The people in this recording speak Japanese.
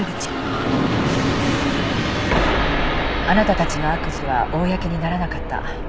あなたたちの悪事は公にならなかった。